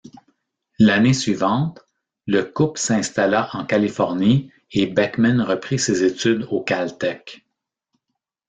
L'année suivante, le couple s'installa en Californie et Beckman reprit ses études au Caltech.